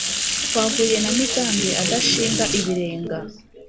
Twahuye na Migambi adashinga ibirenga